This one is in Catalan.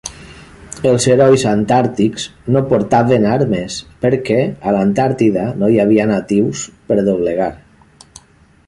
Els herois antàrtics no portaven armes, perquè a l'Antàrtida no hi havia natius per doblegar.